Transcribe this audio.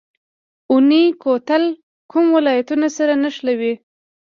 اونی کوتل کوم ولایتونه سره نښلوي؟